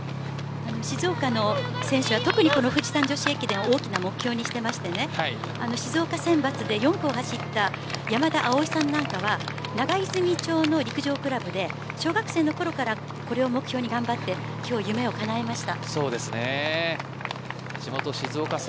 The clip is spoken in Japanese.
静岡の選手は特に富士山女子駅伝を大きな目標にしていまして静岡選抜で４区を走った山田葵さんは陸上クラブで小学生のころからこれを目標に頑張って今日、夢をかなえました。